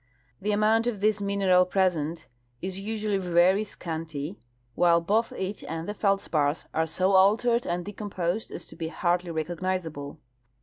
The amount of this min eral present is usually very scanty', while l)oth it arid the feld spars are so altered and decomposed as to be hardl}^ recognizable.